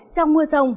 trong mưa sông